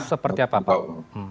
seperti apa pak